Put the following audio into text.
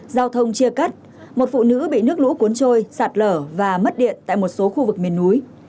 giao thông chia cắt một phụ nữ bị nước lũ cuốn trôi sạt lở và mất điện tại một số khu vực miền núi